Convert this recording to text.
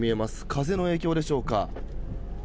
風の影響でしょうか。